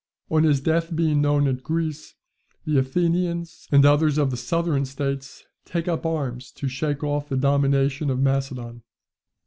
On his death being known at Greece, the Athenians, and others of the southern states, take up arms to shake off the domination of Macedon.